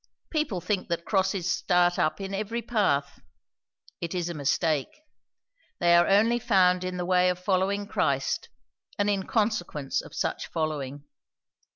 People think that crosses start up in every path; it is a mistake; they are only found in the way of following Christ and in consequence of such following.